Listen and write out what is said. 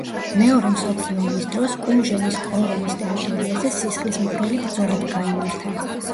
მეორე მსოფლიო ომის დროს კუმჟენის კორომის ტერიტორიაზე სისხლისმღვრელი ბრძოლები გაიმართა.